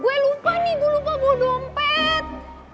gue lupa nih gue lupa bawa dompet